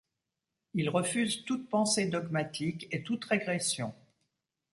Il refuse toute pensée dogmatique et toute régression.